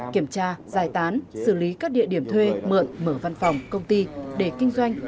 kiểm tra giải tán xử lý các địa điểm thuê mượn mở văn phòng công ty để kinh doanh